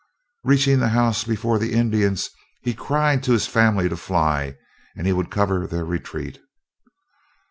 Reaching the house before the Indians, he cried to his family to fly, and he would cover their retreat.